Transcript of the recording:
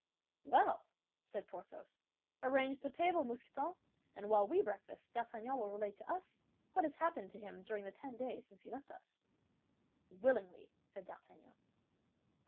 "Well," said Porthos, "arrange the table, Mousqueton, and while we breakfast, D'Artagnan will relate to us what has happened to him during the ten days since he left us." "Willingly," said D'Artagnan.